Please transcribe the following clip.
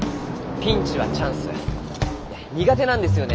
ピンチはチャンス苦手なんですよね。